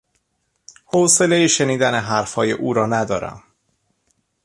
حوصلهی شنیدن حرفهای او را ندارم.